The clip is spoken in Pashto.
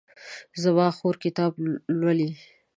زما خور کتاب لولي